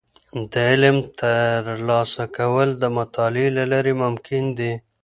د علم ترلاسه کول د مطالعې له لارې ممکن دي.